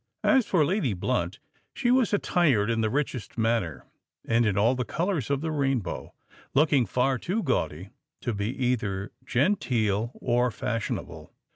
As for Lady Blunt—she was attired in the richest manner, and in all the colours of the rainbow,—looking far too gaudy to be either genteel or fashionable.